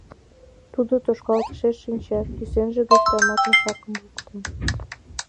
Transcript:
Тудо тошкалтышеш шинче, кӱсенже гыч тамак мешакым лукто.